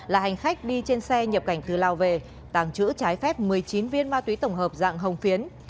là hành khách đi trên xe nhập cảnh từ lào về tàng trữ trái phép một mươi chín viên ma túy tổng hợp dạng hồng phiến